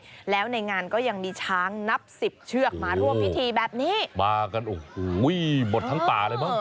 แล้วในงานก็ยังมีช้างนับสิบเชือกมาร่วมพิธีแบบนี้มากันโอ้โหหมดทั้งป่าเลยมั้ง